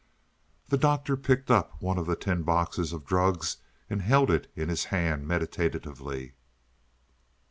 The Doctor picked up one of the tin boxes of drugs and held it in his hand meditatively.